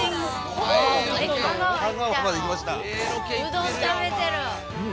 うどん食べてる！